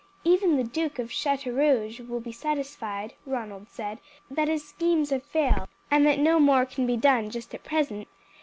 "Even the Duke of Chateaurouge will be satisfied," Ronald said, "that his schemes have failed, and that no more can be done just at present.